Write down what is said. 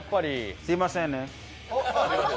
すいませんね。